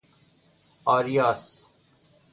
آریاس